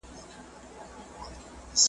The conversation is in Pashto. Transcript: پر سکروټو مي لیکلي جهاني د غزل توري .